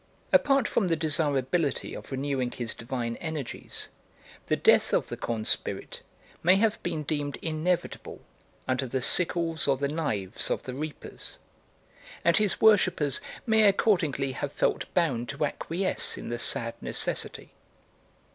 Apart from the desirability of renewing his divine energies, the death of the corn spirit may have been deemed inevitable under the sickles or the knives of the reapers, and his worshippers may accordingly have felt bound to acquiesce in the sad necessity.